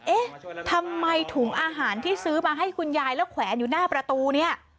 เอ๊ะทำไมถุงอาหารที่ซื้อมาให้คุณยายแล้วแขวนอยู่หน้าประตูเนี่ย